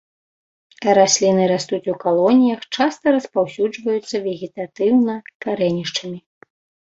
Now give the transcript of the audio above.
Расліны растуць у калоніях, часта распаўсюджваюцца вегетатыўна карэнішчамі.